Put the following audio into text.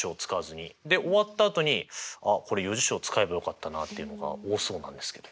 で終わったあとに「あっこれ余事象使えばよかったな」っていうのが多そうなんですけど。